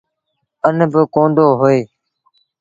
اَن با ڪوندو هوئي۔